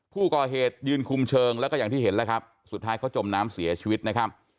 ผู้ก่อเหตุยืนคุมเชิงแล้วก็อย่างที่เห็นแล้วครับสุดท้ายเขาจมน้ำเสียชีวิตนะครับ